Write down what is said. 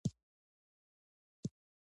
انکسار زاویه بدلوي.